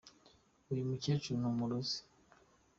Uyu mukecuru ni umurozi.